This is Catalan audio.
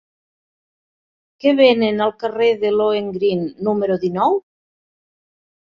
Què venen al carrer de Lohengrin número dinou?